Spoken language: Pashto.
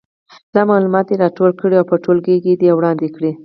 دا معلومات دې راټول کړي او په ټولګي کې دې وړاندې کړي.